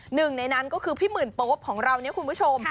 หนึ่งในนั้นก็คือพี่หมื่นโป๊ปของเราเนี่ยคุณผู้ชม